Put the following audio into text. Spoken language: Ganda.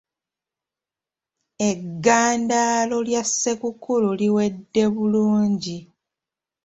Eggandaalo lya Ssekukkulu liwedde bulungi.